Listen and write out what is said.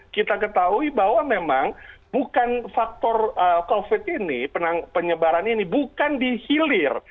kita ketahui bahwa memang bukan faktor covid ini penyebaran ini bukan dihilir